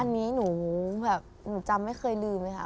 อันนี้หนูแบบหนูจำไม่เคยลืมเลยค่ะ